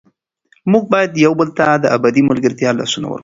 موږ باید یو بل ته د ابدي ملګرتیا لاسونه ورکړو.